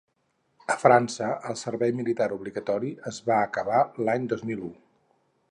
A França el servei militar obligatori es va acabar l’any dos mil u.